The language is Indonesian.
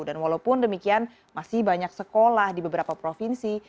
dan walaupun demikian masih banyak sekolah di beberapa provinsi